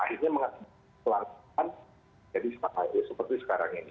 akhirnya menghadapi kelangkaan seperti sekarang ini